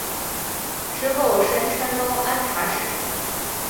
之后升山东按察使。